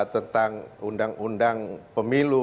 tentang undang undang pemilu